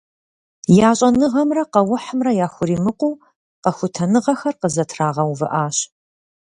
Я щӀэныгъэмрэ къэухьымрэ яхуримыкъуу къэхутэныгъэхэр къызэтрагъэувыӀащ.